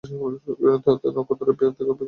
তাতে নক্ষত্রের নিদ্রার ব্যাঘাত হয় না।